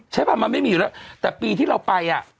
ใช่ไหมมันไม่มีวันน้ำแต่ปีที่เราไปอ่ะ